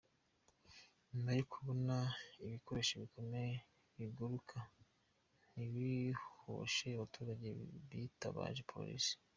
Nyuma yo kubona ibikoresho bikomeje biguruka ntibihoshe, abaturage bitabaje polisi.